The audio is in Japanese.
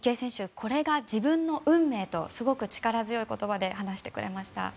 これが自分の運命とすごく力強い言葉で話してくれました。